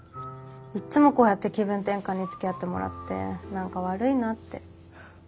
いっつもこうやって気分転換につきあってもらって何か悪いなって。